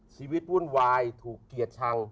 ชีวิตวุ่นวายถูกเกลียดชัง